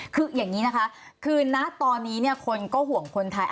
คืออย่างนี้นะคะคือณตอนนี้คนก็ห่วงคนไทย